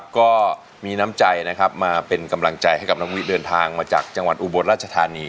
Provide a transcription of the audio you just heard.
ก็มีน้ำใจนะครับมาเป็นกำลังใจให้กับน้องวิเดินทางมาจากจังหวัดอุบลราชธานี